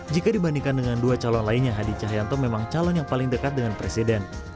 jika dibandingkan dengan dua calon lainnya hadi cahyanto memang calon yang paling dekat dengan presiden